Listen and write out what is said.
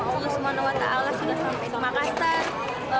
semoga semua nama allah sudah sampai di makassar